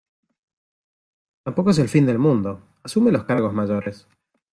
tampoco es el fin del mundo. asume los cargos mayores .